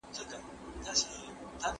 مشهورې سیمي